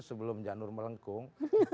sebelum janur melengkung